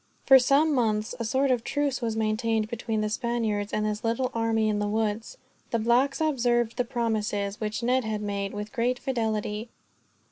For some months, a sort of truce was maintained between the Spaniards and this little army in the woods. The blacks observed the promises, which Ned had made, with great fidelity.